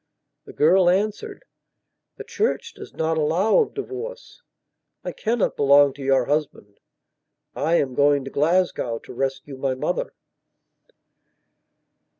The girl answered: "The Church does not allow of divorce. I cannot belong to your husband. I am going to Glasgow to rescue my mother."